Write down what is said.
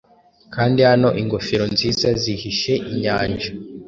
Kandi hano ingofero nziza zihishe inyanja?